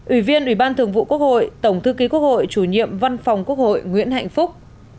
ủy viên ủy ban thường vụ quốc hội tổng thư ký quốc hội chủ nhiệm văn phòng quốc hội nguyễn hạnh phúc